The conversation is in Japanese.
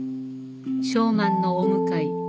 昌万のお向かい